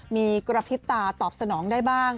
มีกระพริบตาตอบสนองได้บ้าง